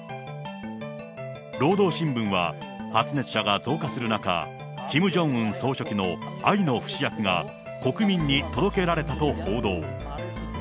労働新聞は、発熱者が増加する中、キム・ジョンウン総書記の愛の不死薬が国民に届けられたと報道。